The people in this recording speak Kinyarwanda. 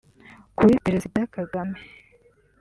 Kuri Perezida Kagame